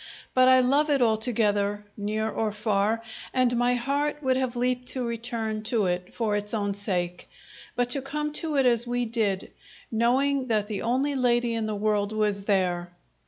But I love it altogether, near or far, and my heart would have leaped to return to it for its own sake, but to come to it as we did, knowing that the only lady in the world was there....